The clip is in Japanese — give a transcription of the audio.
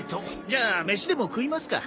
じゃあ飯でも食いますか。